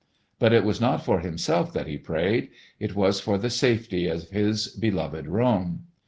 But it was not for himself that he prayed; it was for the safety of his beloved Rome.